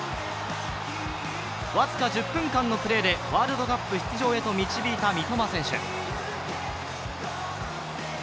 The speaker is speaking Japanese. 僅か１０分間のプレーでワールドカップ出場へと導いた三笘選手。